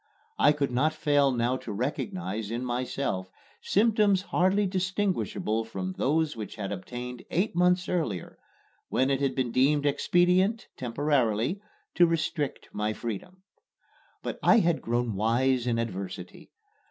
I could not fail now to recognize in myself symptoms hardly distinguishable from those which had obtained eight months earlier when it had been deemed expedient temporarily to restrict my freedom. But I had grown wise in adversity.